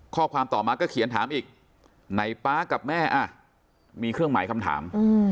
ข้อความต่อมาก็เขียนถามอีกไหนป๊ากับแม่มีเครื่องหมายคำถาม